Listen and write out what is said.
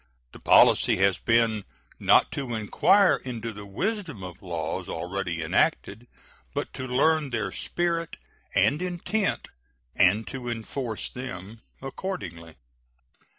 The policy has been not to inquire into the wisdom of laws already enacted, but to learn their spirit and intent and to enforce them accordingly.